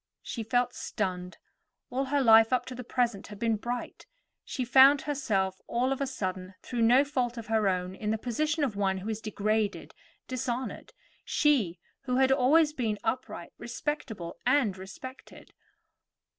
She felt stunned; all her life up to the present had been bright. She found herself all of a sudden, through no fault of her own, in the position of one who is degraded, dishonored; she, who had always been upright, respectable, and respected.